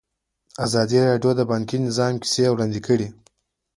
ازادي راډیو د بانکي نظام کیسې وړاندې کړي.